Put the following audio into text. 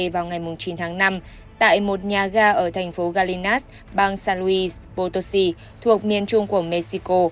trong ngày chín tháng năm tại một nhà ga ở thành phố galinas bang san luis potosi thuộc miền trung của mexico